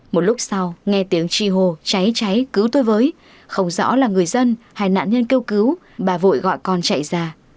một lúc sau nghe tiếng chi hô cháy cứu tôi với không rõ là người dân hay nạn nhân kêu cứu bà vội gọi con chạy ra